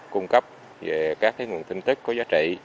cung cấp về các nguồn tin tức có giá trị